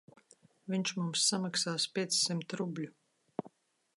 Viņš mums samaksās piecsimt rubļu.